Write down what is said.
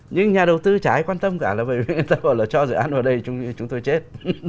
nhưng nhà đầu tư chả hay quan tâm cả là bởi vì người ta bảo là cho dự án vào đây chúng tôi chết